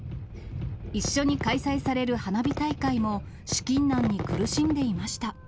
一緒に開催される花火大会も、資金難に苦しんでいました。